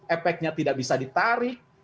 efeknya tidak bisa ditarik